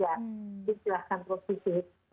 jadi silahkan profisi